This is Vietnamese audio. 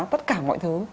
tất cả mọi thứ